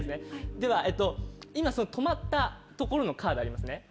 では今止まった所のカードありますね。